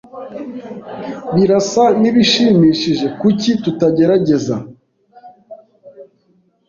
Birasa n'ibishimishije. Kuki tutagerageza?